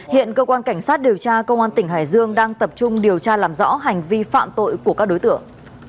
hiện cơ quan cảnh sát điều tra công an tỉnh hải dương đang tập trung điều tra làm rõ hành vi phạm tội của các đối tượng